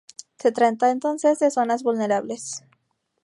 Se trata entonces de zonas vulnerables.